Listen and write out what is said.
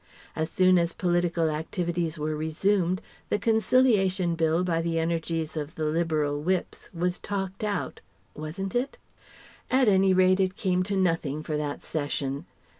As soon as political activities were resumed, the Conciliation Bill by the energies of the Liberal Whips was talked out (wasn't it?). At any rate it came to nothing for that Session.